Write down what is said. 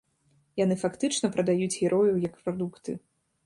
Яны фактычна прадаюць герояў як прадукты.